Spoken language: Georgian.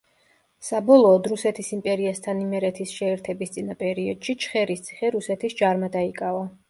საბოლოოდ რუსეთის იმპერიასთან იმერეთის შეერთების წინა პერიოდში ჩხერის ციხე რუსეთის ჯარმა დაიკავა.